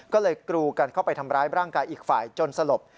ก็เลยกรูกันเข้าไปทำร้ายร่างกายอีกฝ่ายจนสลบ